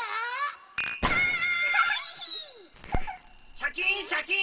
シャキンシャキーン！